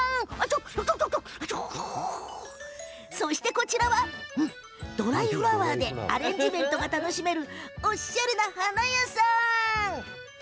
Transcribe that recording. こちらはドライフラワーでアレンジメントが楽しめるおしゃれなお花屋さん。